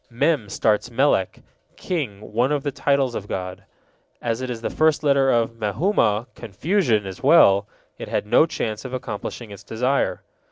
Mem starts Melek, king, one of the titles of God. As it is the first letter of Mehumah, confusion, as well, it had no chance of accomplishing its desire.